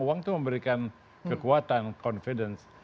uang itu memberikan kekuatan confidence